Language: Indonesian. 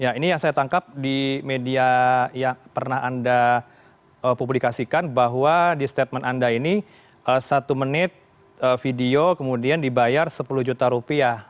ya ini yang saya tangkap di media yang pernah anda publikasikan bahwa di statement anda ini satu menit video kemudian dibayar sepuluh juta rupiah